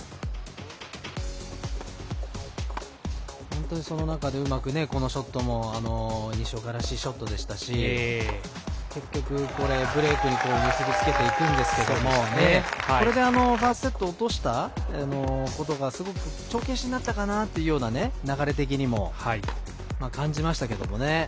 本当に、その中でうまく、このショットも西岡らしいショットでしたし結局、ブレイクに結び付けていくんですけどこれでファーストセットを落としたことがすごく帳消しになったかなというような、流れ的にも感じましたけどもね。